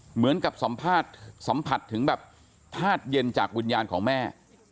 เหมือนกับสัมภาษณ์สัมผัสถึงแบบธาตุเย็นจากวิญญาณของแม่